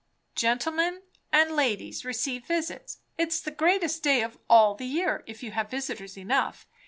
"Gentlemen; and ladies receive visits. It is the greatest day of all the year, if you have visitors enough.